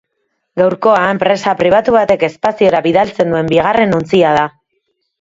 Gaurkoa enpresa pribatu batek espaziora bidaltzen duen bigarren ontzia da.